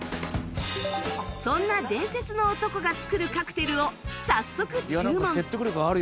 そんな伝説の男が作るカクテルを早速注文